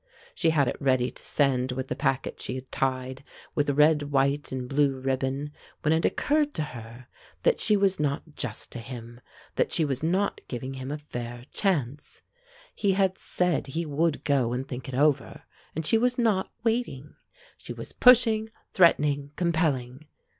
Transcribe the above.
She had it ready to send with the packet she had tied with red, white, and blue ribbon, when it occurred to her that she was not just to him, that she was not giving him a fair chance. He had said he would go and think it over, and she was not waiting. She was pushing, threatening, compelling.